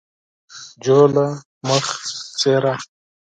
جوله : څیره